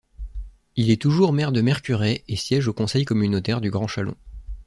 Il est toujours maire de Mercurey et siège au conseil communautaire du Grand Chalon.